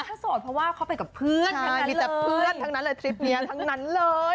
ก็โสดเพราะว่าเขาไปกับเพื่อนทั้งนั้นเลย